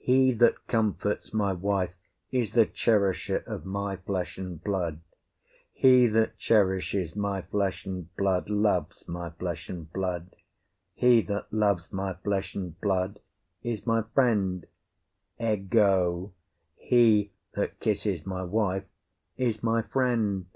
He that comforts my wife is the cherisher of my flesh and blood; he that cherishes my flesh and blood loves my flesh and blood; he that loves my flesh and blood is my friend; ergo, he that kisses my wife is my friend.